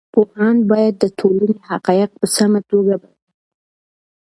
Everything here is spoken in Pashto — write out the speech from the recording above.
پوهاند باید د ټولنې حقایق په سمه توګه بیان کړي.